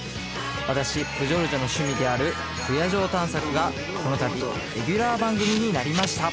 私プジョルジョの趣味である不夜城探索がこのたびレギュラー番組になりました